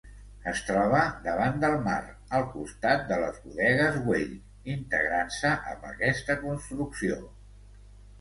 Es troba davant del mar, al costat de les Bodegues Güell, integrant-se amb aquesta construcció.